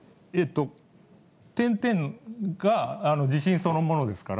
点々が地震そのものですから。